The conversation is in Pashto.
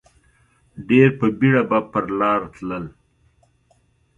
ډېر په بېړه به پر لار تلل.